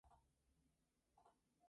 Fresco de la Anunciación de la Virgen.